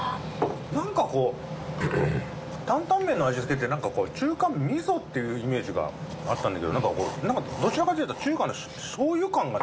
何かこう「担々麺の味付け」って何かこう中華味噌っていうイメージがあったんだけど何かどちらかと言うと中華のしょうゆ感がないですか？